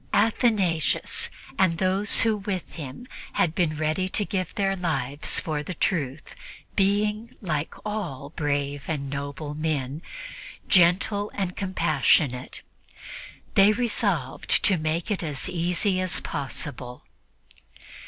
Athanasius and those who with him had been ready to give their lives for the Truth being, like all brave and noble men, gentle and compassionate, they resolved to make it as easy as possible.